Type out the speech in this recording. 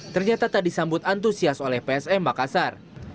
ternyata tak disambut antusias oleh psm makassar